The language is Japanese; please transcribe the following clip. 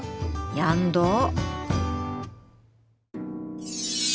やんどお。